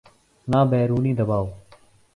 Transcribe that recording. نہ بیرونی دباؤ۔